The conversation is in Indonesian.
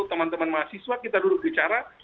teman teman mahasiswa kita duduk bicara